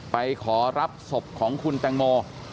ไปขอรับศพของคุณแตงโม